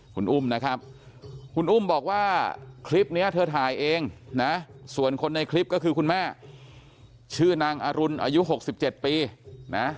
คุณอุ้มนะครับคุณอุ้มบอกว่าคลิปนี้เธอถ่ายเองนะส่วนคนในคลิปก็คือคุณแม่ชื่อนางอรุณอายุ๖๗ปีนะ